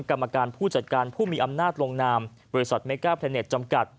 กรรมการผู้จัดการผู้มีอำนาจลงนามบริษัทเมก้าเทรนเน็ตจำกัด